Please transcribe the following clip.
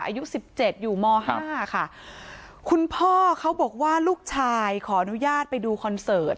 อายุสิบเจ็ดอยู่มห้าค่ะคุณพ่อเขาบอกว่าลูกชายขออนุญาตไปดูคอนเสิร์ต